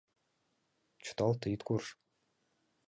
- Чыталте, ит курж...